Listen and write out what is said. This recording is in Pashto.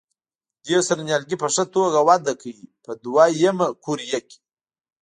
دې سره نیالګي په ښه توګه وده کوي په دوه یمه قوریه کې.